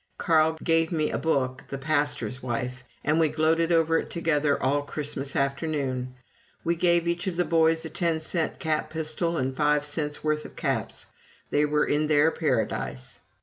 Carl gave me a book, "The Pastor's Wife," and we gloated over it together all Christmas afternoon! We gave each of the boys a ten cent cap pistol and five cents' worth of caps they were in their Paradise.